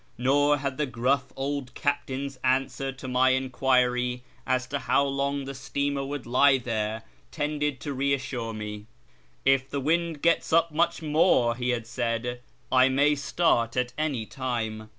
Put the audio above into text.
Nor had the gruff old captain's answer to my enquiry as to how loner the steamer would lie there tended to reassure me. " If the wind gets up much more," he had said, " I may start at any time."